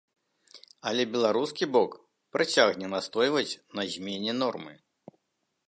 Але беларускі бок працягне настойваць на змене нормы.